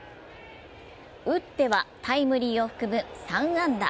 打ってはタイムリーを含む３安打。